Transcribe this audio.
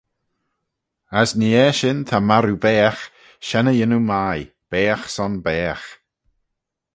"As nee eshyn, ta marroo baagh, shen y yannoo mie; baagh son baagh."